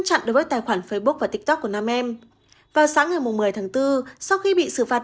chặn đối với tài khoản facebook và tiktok của nam em vào sáng ngày một mươi tháng bốn sau khi bị xử phạt